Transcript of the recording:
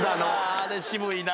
あれ渋いな。